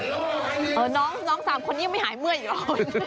เออน้องสามคนนี้ยังไม่หายเมื่อยอีกแล้ว